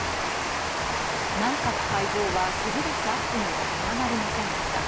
内閣改造は支持率アップには繋がりませんでした。